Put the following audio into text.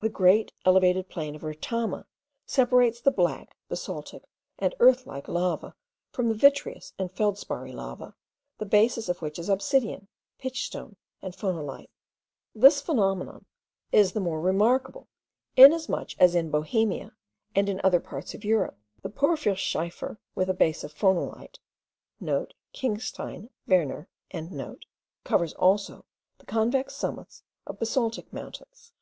The great elevated plain of Retama separates the black, basaltic, and earthlike lava, from the vitreous and feldsparry lava, the basis of which is obsidian, pitch stone, and phonolite. This phenomenon is the more remarkable, inasmuch as in Bohemia and in other parts of Europe, the porphyrschiefer with base of phonolite* (* Klingstein. Werner.) covers also the convex summits of basaltic mountains.